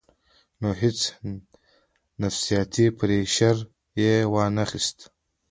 نو هېڅ نفسياتي پرېشر ئې وانۀ خستۀ -